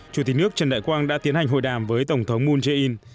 chủ tịch nước trần đại quang đã tiến hành hội đàm với tổng thống moon jae in